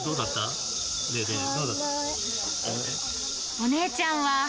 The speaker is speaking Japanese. お姉ちゃんは。